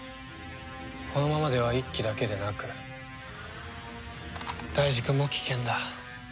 このままでは一輝だけでなく大二くんも危険だ。